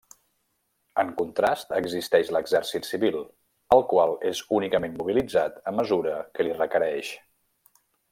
En contrast existeix l'exèrcit civil, el qual és únicament mobilitzat a mesura que l'hi requereix.